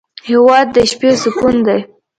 هېواد د شپې سکون دی.